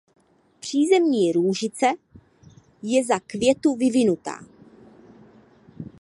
Přízemní růžice je za květu vyvinutá.